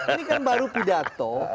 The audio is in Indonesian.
ini kan baru pidato